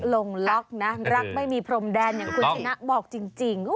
ลงล็อกนะรักไม่มีพรมแดนอย่างคุณชนะบอกจริง